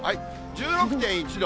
１６．１度。